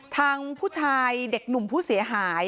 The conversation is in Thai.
ทางผู้ชายเด็กหนุ่มผู้เสียหาย